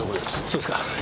そうですか。